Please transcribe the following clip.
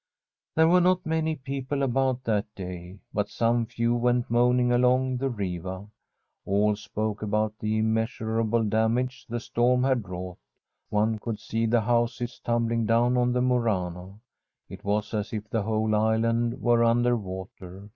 There were not many people about that day, but some few went moaning along the Riva. All spoke about the immeasurable damage the storm had wrought. One could see the houses tum bling down on the Murano. It was as if the whole island were under water.